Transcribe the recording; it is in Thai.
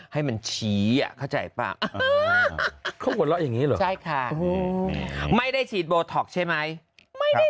ปากเขากลัวละอย่างงี้หรอใช่ค่ะไม่ได้ฉีดโบท็อกใช่ไหมไม่ได้